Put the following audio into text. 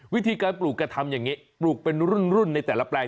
วิธีการปลูกแกทำอย่างนี้ปลูกเป็นรุ่นในแต่ละแปลง